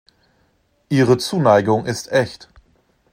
Ihre Zuneigung ist echt.